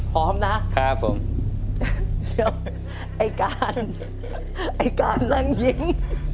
พร้อมนะครับผมเดี๋ยวไอ้การไอ้การนั้นยิ้ม